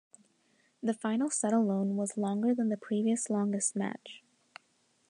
The final set alone was longer than the previous longest match.